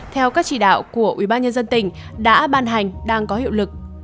theo các chỉ đạo của ubnd tỉnh đã ban hành đang có hiệu lực